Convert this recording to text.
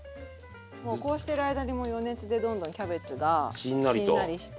もうこうしてる間にも余熱でどんどんキャベツがしんなりしてしんなりと。